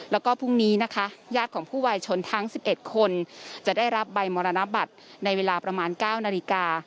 แล้วก็พรุ่งนี้นะคะญาติของผู้วายชนทั้ง๑๑คนจะได้รับใบมรณบัตรในเวลาประมาณ๙นาฬิกา